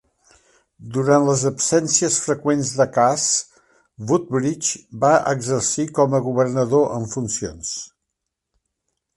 Durant les absències freqüents de Cass, Woodbridge va exercir com a governador en funcions.